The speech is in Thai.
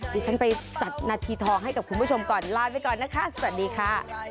ดิฉันไปจัดนาทีทองให้กับคุณผู้ชมก่อนลาไปก่อนนะคะสวัสดีค่ะ